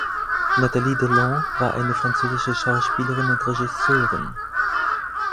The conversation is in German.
Nathalie Delon war eine französische Schauspielerin und Regisseurin.